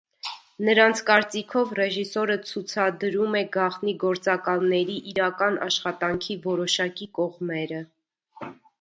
Նրանց կարծիքով ռեժիսորը ցուցարդում է «գաղտնի գործակալների իրական աշխատանքի որոշակի կողմերը»։